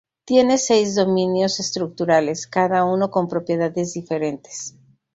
Tiene seis dominios estructurales, cada uno con propiedades diferentes.